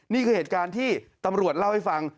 นี่คือเหตุการณ์ที่ตำรวจเล่าให้ฟัง